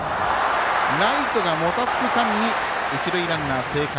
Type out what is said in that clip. ライトがもたつく間に一塁ランナーが生還。